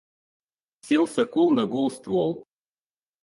Сел сокол на гол ствол.